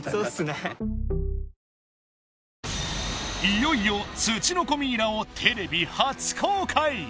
いよいよツチノコミイラをテレビ初公開！